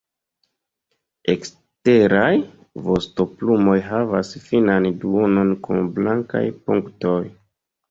Eksteraj vostoplumoj havas finan duonon kun blankaj punktoj.